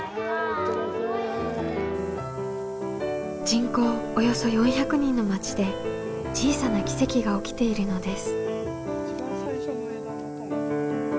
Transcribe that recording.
人口およそ４００人の町で小さな奇跡が起きているのです。